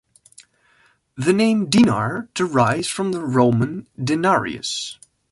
The name dinar derives from the Roman denarius.